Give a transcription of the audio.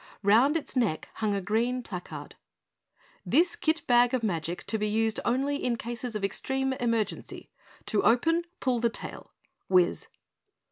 Round its neck hung a green placard: "_This Kit Bag of Magic to be used Only in cases of extreme emergency. To open pull the tail. WIZ.